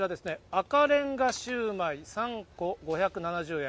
赤レンガシウマイ３個５７０円。